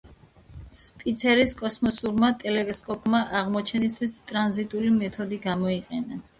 სპიცერის კოსმოსურმა ტელესკოპმა აღმოჩენისთვის ტრანზიტული მეთოდი გამოიყენა.